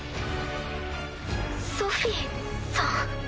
ソフィさん？